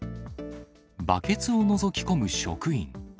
バケツをのぞき込む職員。